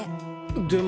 でも。